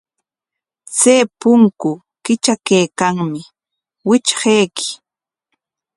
Chay punku kitrakaykanmi, witrqaykuy.